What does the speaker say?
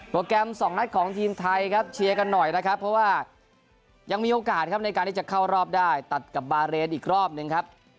แกรมสองนัดของทีมไทยครับเชียร์กันหน่อยนะครับเพราะว่ายังมีโอกาสครับในการที่จะเข้ารอบได้ตัดกับบาเรนอีกรอบหนึ่งครับ